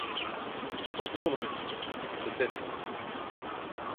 Hoxe todo pecha, sentencia.